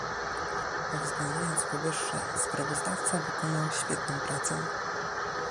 Uwzględniając powyższe sprawozdawca wykonał świetną pracę